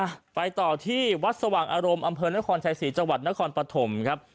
อ่าไปต่อที่วัดสว่างอารมณ์อำเภอนครไทยศรีจนครปะถมครับ